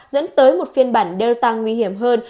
dẫn tới một phiên bản delta nguy hiểm hơn